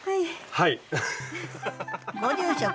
はい！